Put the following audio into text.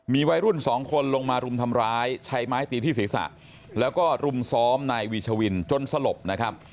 มีวัยรุ่นสองคนลงมารุมทำร้ายใช้ไม้ตีที่ศีรษะแล้วก็รุมซ้อมนายวีชวินจนสลบนะครับ